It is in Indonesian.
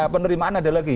penerimaan ada lagi